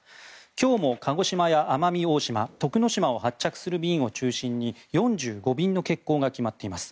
今日も鹿児島や奄美大島徳之島を発着する便を中心に４５便の欠航が決まっています。